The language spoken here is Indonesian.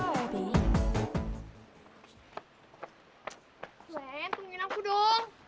len tungguin aku dong